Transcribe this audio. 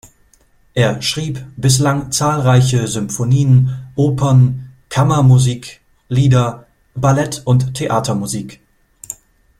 Er schrieb bislang zahlreiche Symphonien, Opern, Kammermusik, Lieder, Ballett- und Theatermusik.